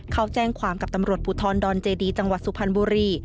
เขาแจ้งความกับตำรวจภูทรดอนเจดีจังหวัดสุพรรณบุรี